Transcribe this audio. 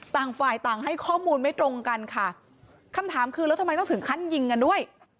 ต่างฝ่ายต่างให้ข้อมูลไม่ตรงกันค่ะคำถามคือแล้วทำไมต้องถึงขั้นยิงกันด้วย